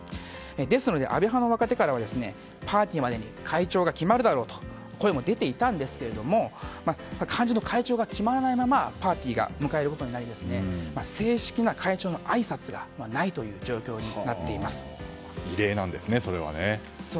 なので安倍派の若手からはパーティーまでに会長が決まるだろうという声も出ていたんですが肝心の会長が決まらないままパーティーを迎えることになり正式な会長のあいさつがないという状況になっています。